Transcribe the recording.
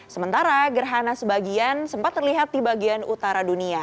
sementara gerhana sebagian sempat terlihat di bagian utara dunia